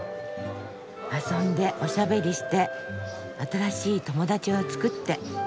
遊んでおしゃべりして新しい友達を作って。